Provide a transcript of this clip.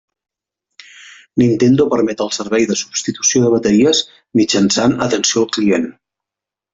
Nintendo permet el servei de substitució de bateries mitjançant atenció al client.